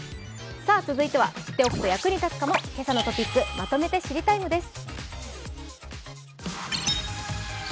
続いては知っておくと役に立つかも「けさのトピックまとめて知りＴＩＭＥ，」です。